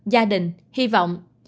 gia đình hy vọng